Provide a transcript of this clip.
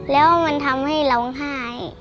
แล้วมันทำให้เราง่าย